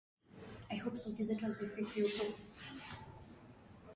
Ng'ombe wa umri wa kati ya mwaka mmoja na miwili huonyesha ghafla dalili